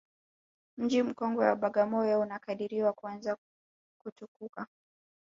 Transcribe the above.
Mji mkongwe wa Bagamoyo unakadiriwa kuanza kutukuka